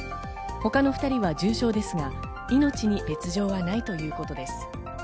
他の２人は重傷ですが、命に別条はないということです。